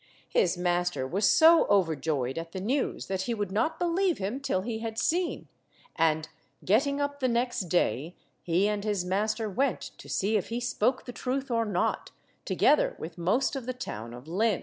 His master was so overjoyed at the news that he would not believe him till he had seen; and, getting up the next day, he and his master went to see if he spoke the truth or not, together with most of the town of Lynn.